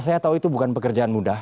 saya tahu itu bukan pekerjaan mudah